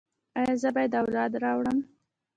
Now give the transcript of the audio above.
ایا زه باید اولاد راوړم؟